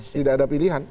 tidak ada pilihan